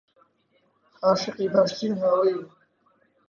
عاشقی باشترین هاوڕێی بوو.